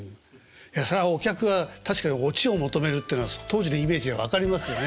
いやそりゃお客は確かにオチを求めるっていうのは当時のイメージでは分かりますよね。